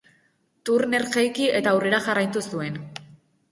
Turner jaiki, eta aurrera jarraitu zuen.